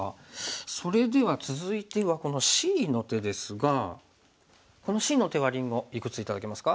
それでは続いてはこのＣの手ですがこのＣの手はりんごいくつ頂けますか？